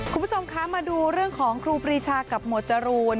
คุณผู้ชมคะมาดูเรื่องของครูปรีชากับหมวดจรูน